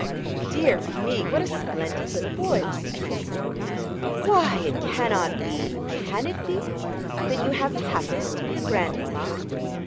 "Dear me, what a splendid little boy, Mrs. Transome! why it cannot be can it be that you have the happiness to be a grandmamma?"